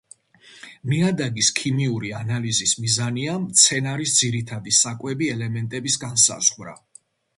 ნიადაგის ქიმიური ანალიზის მიზანია მცენარის ძირითადი საკვები ელემენტების განსაზღვრა.